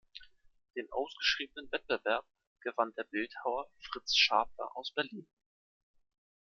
Den ausgeschriebenen Wettbewerb gewann der Bildhauer Fritz Schaper aus Berlin.